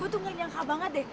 gue tuh gak nyangka banget deh